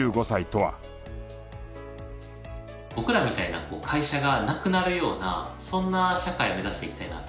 僕らみたいな会社がなくなるようなそんな社会を目指していきたいなと思っていて。